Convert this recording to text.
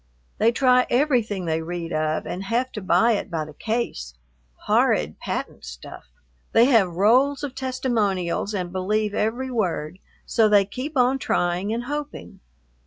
They try everything they read of, and have to buy it by the case, horrid patent stuff! They have rolls of testimonials and believe every word, so they keep on trying and hoping.